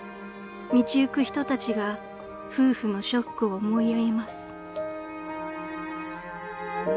［道行く人たちが夫婦のショックを思いやります］